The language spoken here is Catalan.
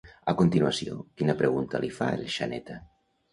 A continuació, quina pregunta li fa el Xaneta?